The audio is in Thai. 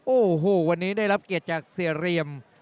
โอ้โหวันนี้ได้รับเกียรติจากเสียเรียม